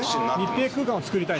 密閉空間を作りたい。